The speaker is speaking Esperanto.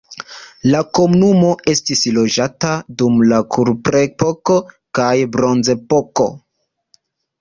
La komunumo estis loĝata dum la kuprepoko kaj bronzepoko.